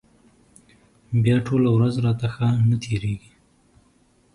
بیا ټوله ورځ راته ښه نه تېرېږي.